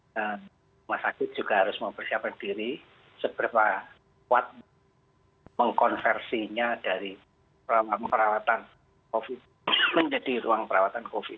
rumah sakit juga harus mempersiapkan diri seberapa kuat mengkonversinya dari perawatan covid menjadi ruang perawatan covid